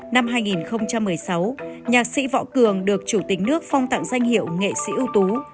năm hai nghìn một mươi sáu nhạc sĩ võ cường được chủ tịch nước phong tặng danh hiệu nghệ sĩ ưu tú